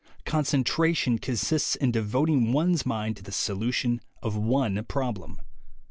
Concentration consists in devoting one's mind to the solution of one problem.